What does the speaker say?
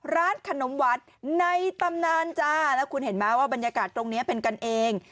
ร้านขนมหวานในตำนานจ้าแล้วคุณเห็นไหมว่าบรรยากาศตรงนี้เป็นกันเอง